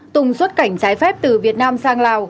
tùng xuất cảnh trái phép từ việt nam sang lào